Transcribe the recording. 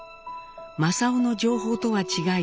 正雄の情報とは違い